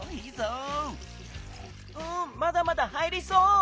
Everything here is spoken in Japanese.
うんまだまだ入りそう！